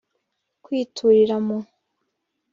kwiturira mu